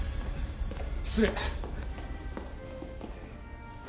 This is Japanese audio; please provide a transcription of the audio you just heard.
失礼。